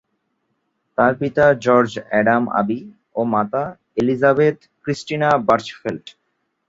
তার পিতা George Adam আবি ও মাতা এলিজাবেথ ক্রিস্টিনা বার্চফেল্ট।